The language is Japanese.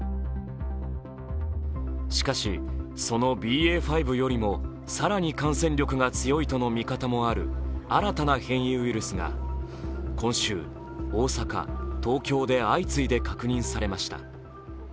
しかし、そのＢＡ．５よりも更に感染力が強いとの見方もある新たな変異ウイルスが今週、大阪、東京で相次いで確認されました。